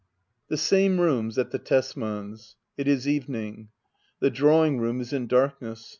The same rooms at the Tesmans'. It is evening. The drawing room is in darkness.